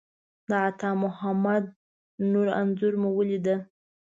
د عطامحمد نور انځور مو ولیده.